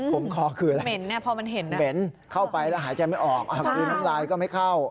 ขมคอคืออะไรเป็นเข้าไปแล้วหายใจไม่ออกคุณลายก็ไม่เข้า